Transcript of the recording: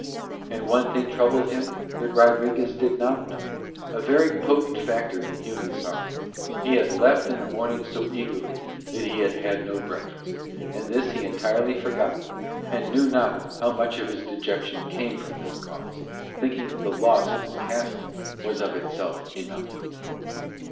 And one thing troubled him that Rodriguez did not know, a very potent factor in human sorrow: he had left in the morning so eagerly that he had had no breakfast, and this he entirely forgot and knew not how much of his dejection came from this cause, thinking that the loss of his castle was of itself enough.